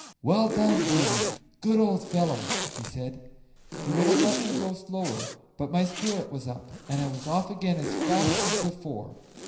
"Well done, Beauty! good old fellow," he said. He would have let me go slower, but my spirit was up, and I was off again as fast as before.